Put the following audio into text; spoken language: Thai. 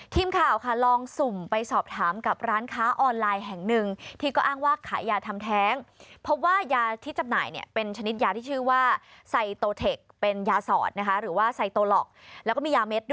ทีมข่าวค่ะลองสุ่มไปสอบถามกับร้านค้าออนไลน์แห่งหนึ่ง